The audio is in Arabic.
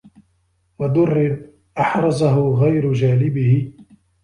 وَدُرٍّ أَحْرَزَهُ غَيْرُ جَالِبِهِ